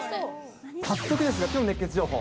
早速ですが、きょうの熱ケツ情報。